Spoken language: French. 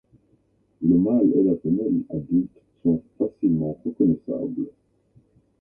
Le mâle et la femelle adultes sont facilement reconnaissables.